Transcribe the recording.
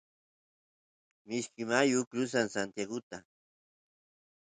mishki mayu crusan santiaguta